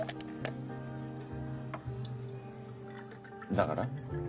だから？